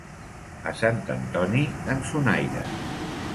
A Sant Antoni, cançonaires.